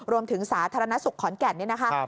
รวมถึงสาธารณสุขขอนแก่นเนี่ยนะคะ